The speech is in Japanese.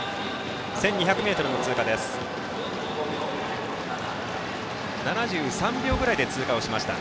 １２００ｍの通過は７３秒ぐらいで通過しました。